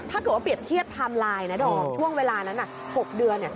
ถ้าเกิดว่าเปรียบเทียบไทม์ไลน์นะดอมช่วงเวลานั้น๖เดือน